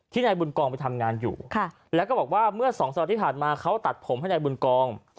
นายบุญกองไปทำงานอยู่แล้วก็บอกว่าเมื่อสองสัปดาห์ที่ผ่านมาเขาตัดผมให้นายบุญกอง